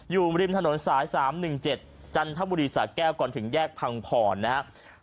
อยู่ริมถนนสาย๓๑๗จันทบุรีสะแก้วก่อนถึงแยกพังพรนะครับ